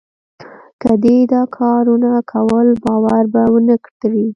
که دې دا کارونه کول؛ بار به و نه تړې.